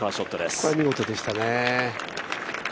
これは見事でしたね。